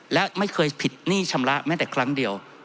และไม่เคยผิดหนี้ชำระแม้แต่ครั้งเดียว